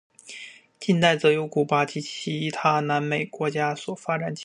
近代则由古巴及其他南美洲国家所发展起来。